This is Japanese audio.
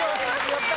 やった！